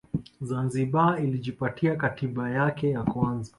Zanzibar ilijipatia Katiba yake ya kwanza